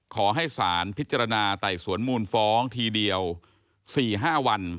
ขอให้สารพิจารณาไต่สวนมูลฟ้องทีเดียว๔๕วัน